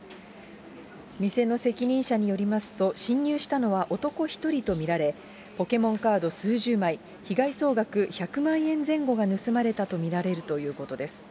店の責任者によりますと、侵入したのは男１人と見られ、ポケモンカード数十枚、被害総額１００万円前後が盗まれたと見られるということです。